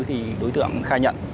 thì đối tượng khai nhận